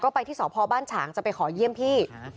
ไปที่สพบ้านฉางจะไปขอเยี่ยมพี่